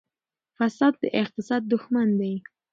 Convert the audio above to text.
فساد د اقتصاد دښمن دی.